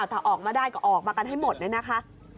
ถ้าออกมาได้ก็ออกมากันให้หมดเนี่ยนะคะ